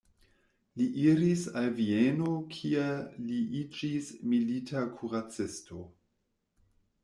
Li iris al Vieno kie li iĝis milita kuracisto.